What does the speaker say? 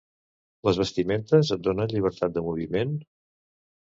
Les vestimentes els donen llibertat de moviment?